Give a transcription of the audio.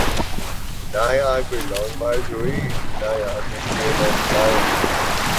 نہ یہاں کوئی لانگ مارچ ہوئی ‘نہ یہاں کوئی چیئرمین ماؤ ہے۔